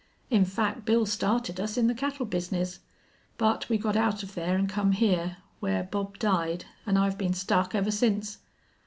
In fact, Bill started us in the cattle business. But we got out of there an' come here, where Bob died, an' I've been stuck ever since."